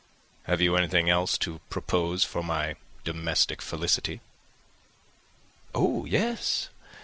_]] "Have you anything else to propose for my domestic felicity?" "Oh yes.